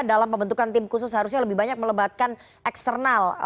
dalam pembentukan tim khusus harusnya lebih banyak melebatkan eksternal